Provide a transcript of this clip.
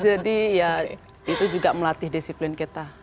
jadi ya itu juga melatih disiplin kita